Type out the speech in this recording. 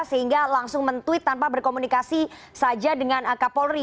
sehingga langsung men tweet tanpa berkomunikasi saja dengan kapolri